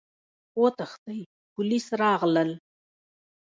وتښتئ! پوليس راغلل!